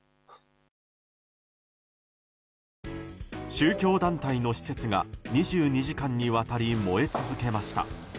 宗教団体の施設が２２時間にわたり燃え続けました。